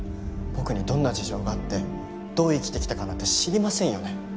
僕にどんな事情があってどう生きてきたかなんて知りませんよね？